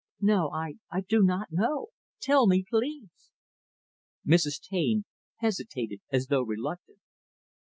"No, I I do not know. Tell me, please." Mrs. Taine hesitated as though reluctant.